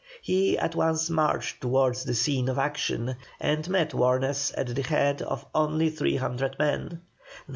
He at once marched towards the scene of action, and met Warnes at the head of only three hundred men.